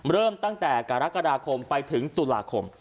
เริ่มตั้งแต่กรกฎาคมไปถึงตุลาคม